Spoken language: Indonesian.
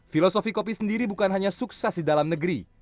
filosofi kopi sendiri bukan hanya sukses di dalam negeri